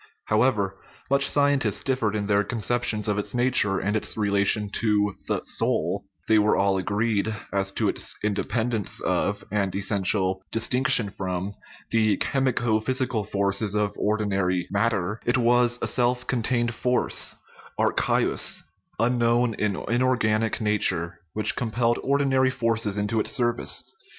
How ever much scientists differed in their conceptions of its i nature and its relation to the "soul," they were all agreed as to its independence of, and essential distinc tion from, the chemico physical forces of ordinary " mat ter "; it was a self contained force (archaeus), unknown in inorganic nature, which compelled ordinary forces into its service.